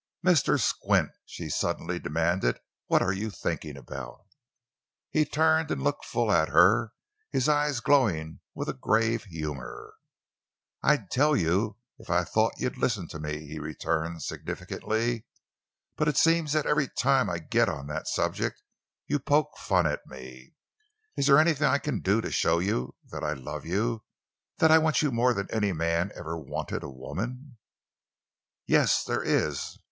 "Mr. Squint," she suddenly demanded; "what are you thinking about?" He turned and looked full at her, his eyes glowing with a grave humor. "I'd tell you if I thought you'd listen to me," he returned, significantly. "But it seems that every time I get on that subject you poke fun at me. Is there anything I can do to show you that I love you—that I want you more than any man ever wanted a woman?" "Yes—there is."